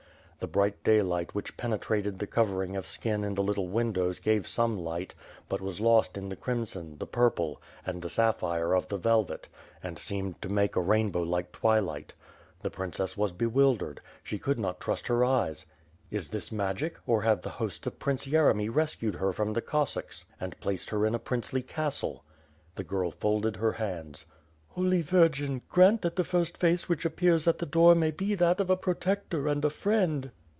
The bright daylight which penetrated the covering of skin in the litlte windows gave some light, but was lost m the crimson, the purple, and the sapphire of the velvet, and seemed to make a rainbow like twilight. The princess was bewildered; she could not trust her eyes. "Is this magic? Or have the hosts of Prince Yeremy rescued her from the Oossacks and placed her in a princely castle?" The girl folded her hands. "Holy Virgin, grant that the first face which appears at the door may be that of a protector and a friend."